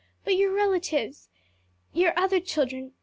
"But your relatives? your other children?